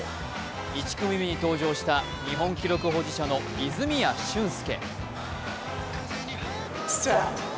１組目に登場した日本記録保持者の泉谷駿介。